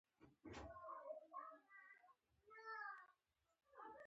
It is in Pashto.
نظرياتي اختلافات پۀ ذاتي اختلافاتو بدل شو